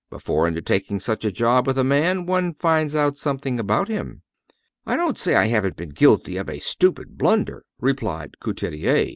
Before undertaking such a job with a man, one finds out something about him." "I don't say I haven't been guilty of a stupid blunder," replied Couturier.